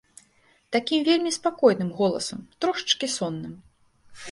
Такім вельмі спакойным голасам, трошачкі сонным.